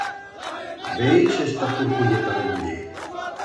Veis esta curculleta de muller?